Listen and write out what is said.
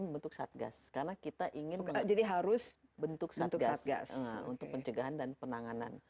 membentuk satgas karena kita ingin jadi harus bentuk satgas untuk pencegahan dan penanganan